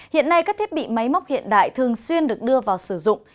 hiện nay các thiết bị máy móc hiện đại thường xuyên được đưa vào sử dụng